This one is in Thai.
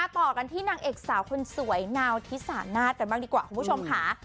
ต่อกันที่นางเอกสาวคนสวยนาวที่สานาทกันบ้างดีกว่าคุณผู้ชมค่ะ